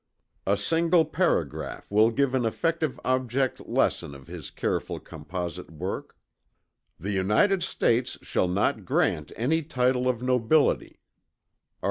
A single paragraph will give an effective object lesson of his careful composite work: "The United States shall not grant any title of nobility" (Art.